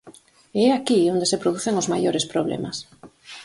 E é aquí onde se producen os maiores problemas.